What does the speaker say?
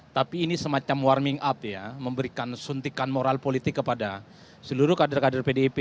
tapi ini semacam warming up ya memberikan suntikan moral politik kepada seluruh kader kader pdip